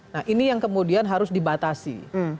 nah ini yang kemudian harus dibatasi